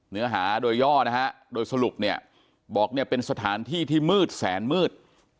เนื้อหาโดยย่อนะฮะโดยสรุปเนี่ยบอกเนี่ยเป็นสถานที่ที่มืดแสนมืด